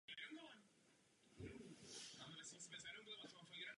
Drahá víza a přísné předpisy netrestají režim, nýbrž obyvatelstvo.